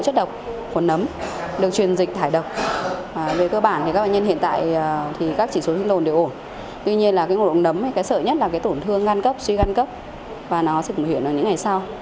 tuy nhiên là cái ngộ độc nấm thì cái sợ nhất là cái tổn thương gan cấp suy gan cấp và nó sẽ tổn thương vào những ngày sau